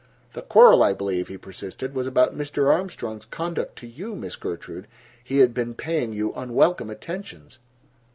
"The quarrel, I believe," he persisted, "was about Mr. Armstrong's conduct to you, Miss Gertrude. He had been paying you unwelcome attentions."